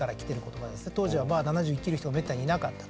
当時は７０生きる人がめったにいなかったと。